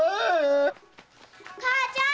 母ちゃん！